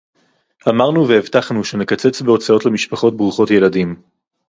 אמרנו והבטחנו שנקצץ בהוצאות למשפחות ברוכות ילדים